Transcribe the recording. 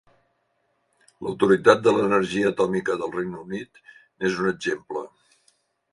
L'Autoritat de l'Energia Atòmica del Regne Unit n'és un exemple.